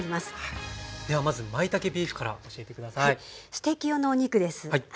ステーキ用のお肉です。